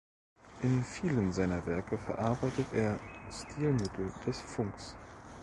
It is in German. In vielen seiner Werke verarbeitet er Stilmittel des Funks.